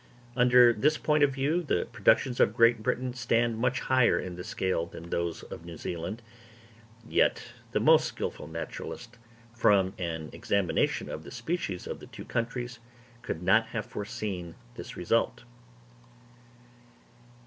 Under this point of view, the productions of Great Britain stand much higher in the scale than those of New Zealand. Yet the most skilful naturalist, from an examination of the species of the two countries, could not have foreseen this result.